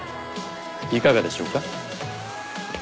いかがでしょうか？